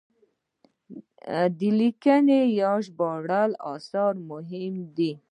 لیکلي یا ژباړلي اثار یې مهم دي.